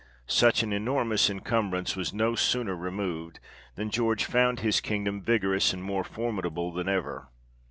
Such an enormous incumbrance was no sooner removed, than George found his kingdom vigorous and more formidable than ever.